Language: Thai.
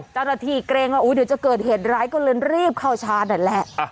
ตั้งแต่ที่เกรงอุ๊ยเดี๋ยวจะเกิดเหตุร้ายก็เลยรีบเข้าชาร์จหน่อยแหละ